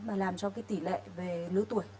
mà làm cho tỷ lệ về lứa tuổi